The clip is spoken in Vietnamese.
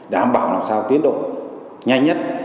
đảm bảo làm sao tiến độ nhanh nhất